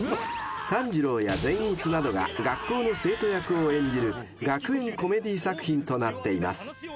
［炭治郎や善逸などが学校の生徒役を演じる学園コメディー作品となっています］